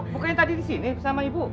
bukannya tadi disini sama ibu